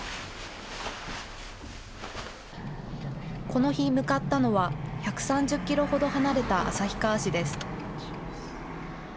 この日、向かったのは１３０キロほど離れた旭川市です。